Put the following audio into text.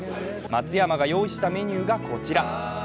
松山が用意したメニューがこちら。